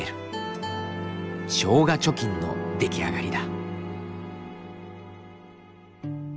「しょうが貯金」の出来上がりだ。